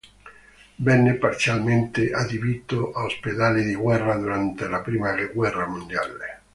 Venne parzialmente adibito a ospedale di guerra durante la prima guerra mondiale.